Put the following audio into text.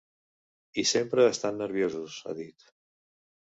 I sempre estan nerviosos, ha dit.